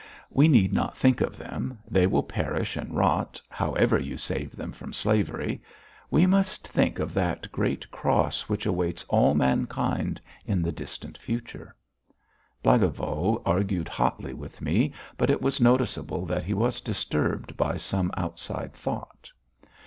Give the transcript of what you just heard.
We need not think of them, they will perish and rot, however you save them from slavery we must think of that great Cross which awaits all mankind in the distant future." Blagovo argued hotly with me, but it was noticeable that he was disturbed by some outside thought.